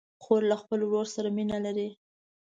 خور له خپل ورور سره مینه لري.